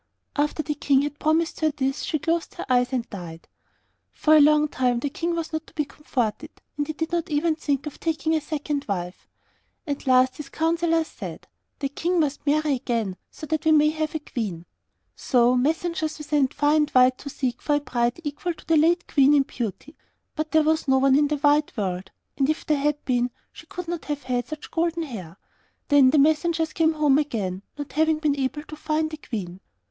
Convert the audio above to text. After the King had promised her this, she closed her eyes and died. For a long time the King was not to be comforted, and he did not even think of taking a second wife. At last his councillors said, 'The King must marry again, so that we may have a queen.' So messengers were sent far and wide to seek for a bride equal to the late Queen in beauty. But there was no one in the wide world, and if there had been she could not have had such golden hair. Then the messengers came home again, not having been able to find a queen.